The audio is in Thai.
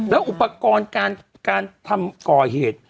แล้วอุปกรณ์การทำก่อเหตุ